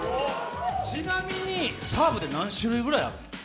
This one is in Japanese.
ちなみに、サーブって何種類ぐらいあるんですか？